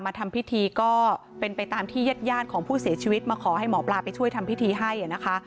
ทำพิธีก็เป็นไปตามที่ญาติญาติของผู้เสียชีวิตมาขอให้หมอปลาไปช่วยทำพิธีให้นะคะ